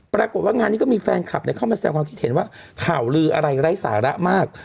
ปรากฏว่างานนี้ก็มีแฟนคลับเข้ามาแสดงความคิดเห็นว่าข่าวลืออะไรไร้สาระมาก